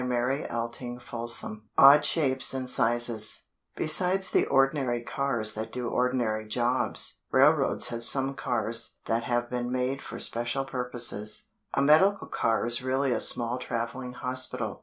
ODD SHAPES AND SIZES Besides the ordinary cars that do ordinary jobs, railroads have some cars that have been made for special purposes. A medical car is really a small traveling hospital.